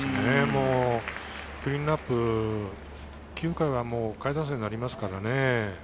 クリーンナップ、９回は下位打線になりますからね。